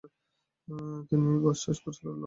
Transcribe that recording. তিনি বাচসাস পুরস্কারও লাভ করেন।